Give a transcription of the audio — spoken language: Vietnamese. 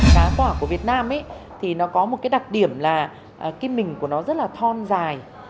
giá quả của việt nam thì nó có một cái đặc điểm là cái mình của nó rất là thon dài